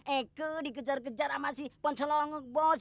eke dikejar kejar ama si pocolongok bos